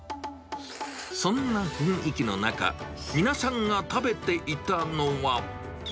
そんな雰囲気の中、皆さんが食べていたのは。